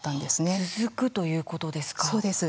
続くということですか。